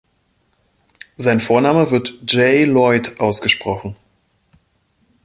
Sein Vorname wird „Jay-Lloyd“ ausgesprochen.